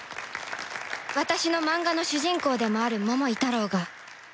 私のマンガの主人公でもある桃井タロウが